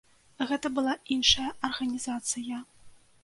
Гэта была іншая арганізацыя.